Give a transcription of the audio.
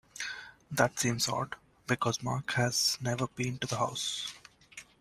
That seems odd because Mark has never been to the house.